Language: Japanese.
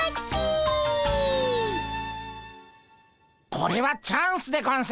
これはチャンスでゴンス。